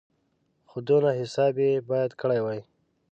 خو دونه حساب یې باید کړی وای.